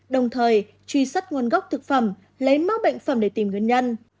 đồng thời truy sắt nguồn gốc thực phẩm lấy máu bệnh phẩm để tìm nguyên nhân